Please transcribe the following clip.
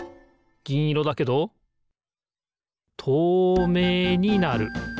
ぎんいろだけどとうめいになる。